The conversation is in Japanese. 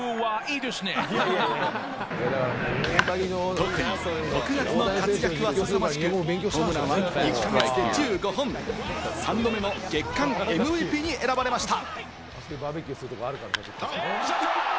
特に６月の活躍は凄まじく、ホームランは１か月で１５本、３度目の月間ＭＶＰに選ばれました。